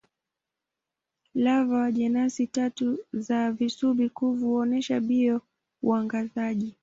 Lava wa jenasi tatu za visubi-kuvu huonyesha bio-uangazaji.